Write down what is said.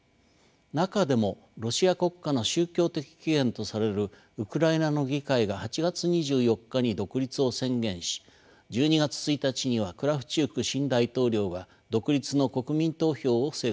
中でもロシア国家の宗教的起源とされるウクライナの議会が８月２４日に独立を宣言し１２月１日にはクラフチューク新大統領が独立の国民投票を成功させます。